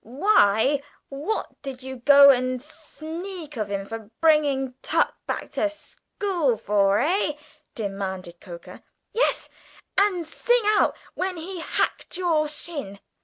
"Why, what did you go and sneak of him for bringing tuck back to school for, eh?" demanded Coker. "Yes, and sing out when he hacked your shin?"